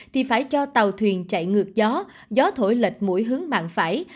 thì phải cho tàu thuyền chạy ngược gió gió thổi lệch mũi hướng mạng phải